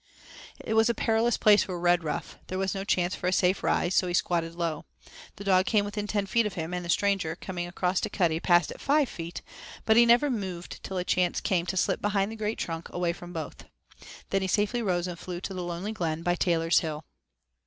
It was a perilous place for Redruff. There was no chance for a safe rise, so he squatted low. The dog came within ten feet of him, and the stranger, coming across to Cuddy, passed at five feet, but he never moved till a chance came to slip behind the great trunk away from both. Then he safely rose and flew to the lonely glen by Taylor's Hill.